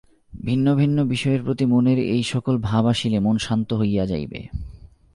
ভিন্ন ভিন্ন বিষয়ের প্রতি মনের এই-সকল ভাব আসিলে মন শান্ত হইয়া যাইবে।